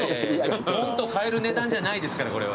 ポンと買える値段じゃないですからこれは。